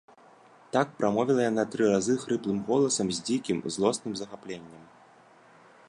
Так прамовіла яна тры разы хрыплым голасам з дзікім, злосным захапленнем.